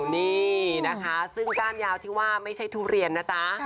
นี่นะคะซึ่งก้านยาวที่ว่าไม่ใช่ทุเรียนนะจ๊ะ